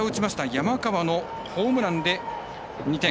山川のホームランで２点。